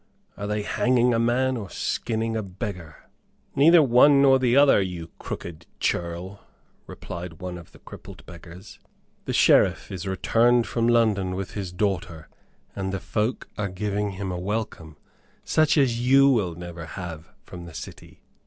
Are they hanging a man, or skinning a beggar?" "Neither one nor the other, you crooked churl," replied one of the crippled beggars. "The Sheriff is returned from London with his daughter, and the folk are giving him a welcome, such as you will never have from the city!